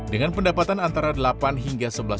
dengan pendapatan antara delapan hingga sebelas